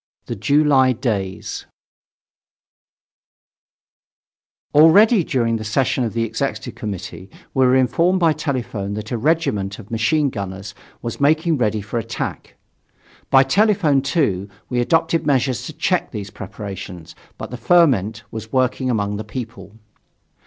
THE JULY DAYS Already during the session of the Executive Committee we were informed by telephone that a regiment of machine gunners was making ready for attack. By telephone, too, we adopted measures to check these preparations, but the ferment was working among the people.